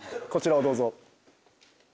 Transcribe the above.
こちらをどうぞ。